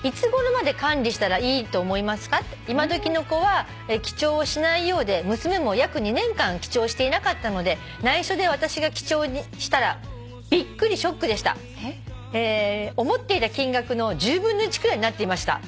「今どきの子は記帳しないようで娘も約２年間記帳していなかったので内緒で私が記帳したらびっくりショックでした」「思っていた金額の１０分の１くらいになっていました」